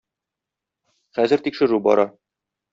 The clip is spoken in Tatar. Хәзер тикшерү бара.